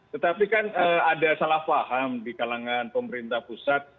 tetapi kan ada salah faham di kalangan pemerintah pusat